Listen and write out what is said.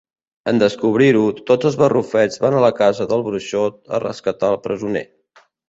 En descobrir-ho tots els barrufets van a la casa del bruixot a rescatar el presoner.